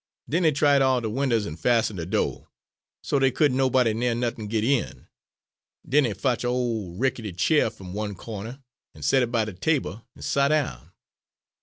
Den he tried all de winders an' fastened de do', so dey couldn' nobody ner nuthin' git in. Den he fotch a' ole rickety chair f'm one cawner, and set it by de table, and sot down.